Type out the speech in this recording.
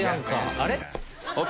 あれ？